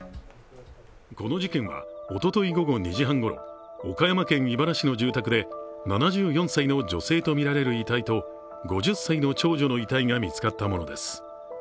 この事件はおととい午後２時半ごろ岡山県井原市の住宅で７４歳の女性とみられる遺体と５０歳の長女の遺体が見つかったものです。